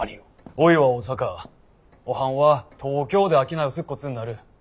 おいは大阪おはんは東京で商いをすっこつになる。